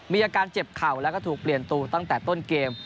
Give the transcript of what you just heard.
มีอาการเจ็บเข่าแล้วก็ถูกเปลี่ยนตัวตั้งแต่ต้นเกม